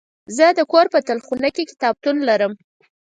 زه د کور په تلخونه کې کتابتون لرم.